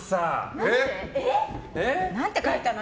何て書いたの？